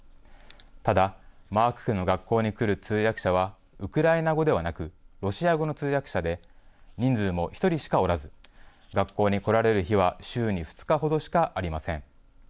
ただ、マーク君の学校に来る通訳者はウクライナ語ではなく、ロシア語の通訳者で、人数も１人しかおらず、学校に来られる日は週に２日ほどしかありません。